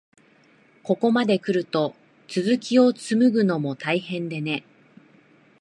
ここまでくると、続きをつむぐのも大変でね。